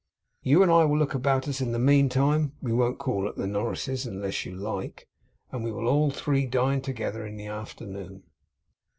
You and I will look about us in the meantime (we won't call at the Norris's unless you like), and we will all three dine together in the afternoon.